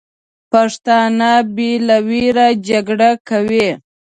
پښتانه بې له ویرې جګړه کوي.